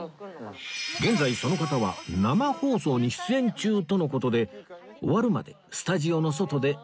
現在その方は生放送中に出演中との事で終わるまでスタジオの外で待たせてもらう事に